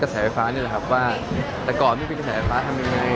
ก็มีกระแสไฟฟ้าอยู่นะครับว่าแต่ก่อนไม่มีกระแสไฟฟ้าทำยังไง